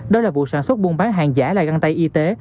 đây là vụ sản xuất buôn bán hàng giả là găng tay y tế